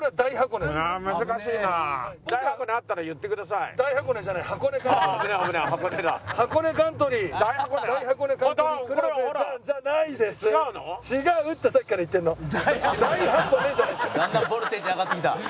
だんだんボルテージ上がってきた。